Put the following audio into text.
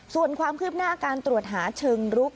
ส่วนความคืบหน้าการตรวจหาเชิงรุก